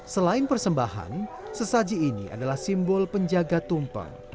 selain persembahan sesaji ini adalah simbol penjaga tumpeng